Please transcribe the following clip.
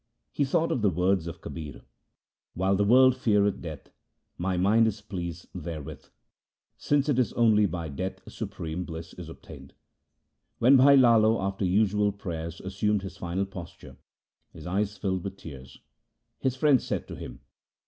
He thought of the words of Kabir :— While the world feareth death, my mind is pleased there with, Since it is only by death supreme bliss is obtained. 1 When Bhai Lalo, after the usual prayers, assumed his final posture, his eyes filled with tears. His friends said to him.